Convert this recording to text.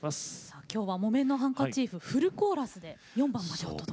さあ今日は「木綿のハンカチーフ」フルコーラスで４番までお届け。